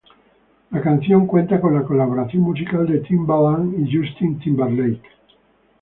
La canción cuenta con la colaboración musical de Timbaland y Justin Timberlake.